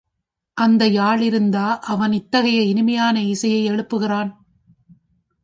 அந்த யாழிலிருந்தா அவன் இத்தகைய இனிமையான இசையை எழுப்புகிறான்!